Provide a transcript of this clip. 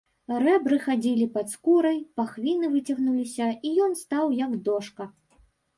Рэбры хадзілі пад скурай, пахвіны выцягнуліся, і ён стаў, як дошка.